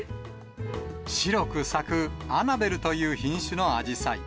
白く咲くアナベルという品種のあじさい。